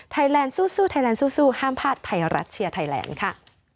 แลนด์สู้ไทยแลนดสู้ห้ามพลาดไทยรัฐเชียร์ไทยแลนด์ค่ะ